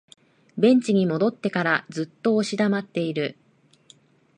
ベンチに戻ってからずっと押し黙っている